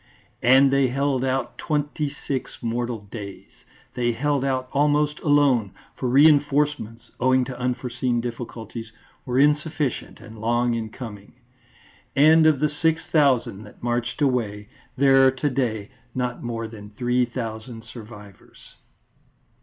_" And they held out twenty six mortal days. They held out almost alone, for reinforcements, owing to unforeseen difficulties, were insufficient and long in coming. And of the six thousand that marched away, there are to day not more than three thousand survivors.